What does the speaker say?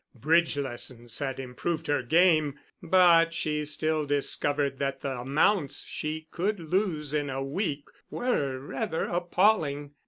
Bridge lessons had improved her game, but she still discovered that the amounts she could lose in a week were rather appalling.